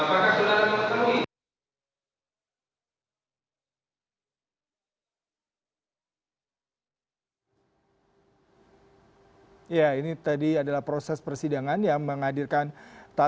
pada waktu itu ada orang lain yang disana